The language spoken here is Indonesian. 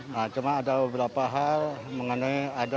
nah cuma ada beberapa hal mengenai ada